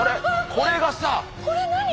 これがさ。